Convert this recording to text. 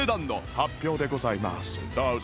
どうぞ